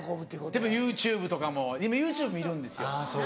でもＹｏｕＴｕｂｅとかも今ＹｏｕＴｕｂｅ見るんですよ。